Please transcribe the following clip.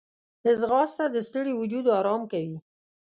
ځغاسته د ستړي وجود آرام کوي